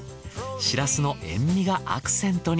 シラスの塩味がアクセントに。